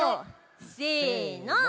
せの。